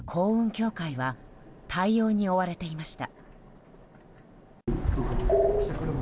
協会は対応に追われていました。